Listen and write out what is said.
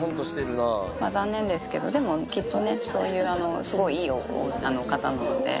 まあ残念ですけど、でもきっとね、そういうすごいいい方なので。